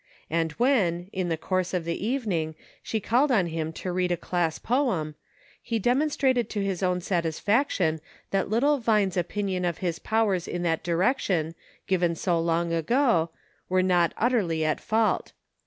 And when, in the course of the evening, she called on him to read a class poem, he demonstrated to his own satisfaction that little Vine's opinion of his powers in that direction, given so long ago, were not utterly at fault.